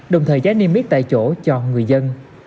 đồng thời giá niêm yết tại chỗ cho người dân